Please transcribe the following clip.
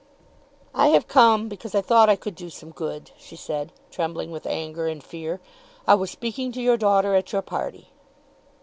"I have come because I thought I could do some good," she said, trembling with anger and fear. "I was speaking to your daughter at your party."